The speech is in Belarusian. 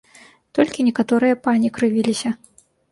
Толькі некаторыя пані крывіліся.